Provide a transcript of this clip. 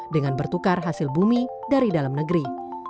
dengan bertukar hasil bumi dari dalam negeri